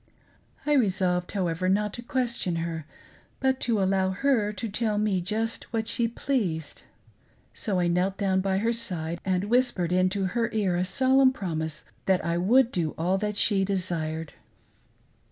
I resolved, however, not to question her, but to allow her to tell me just what she pleased. So I knelt down by her side and whispered into her ear a solemn pVomise that I would do all that she desired.